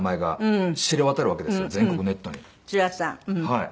はい。